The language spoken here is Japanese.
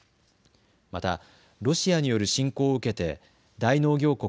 またロシアによる侵攻を受けて大農業国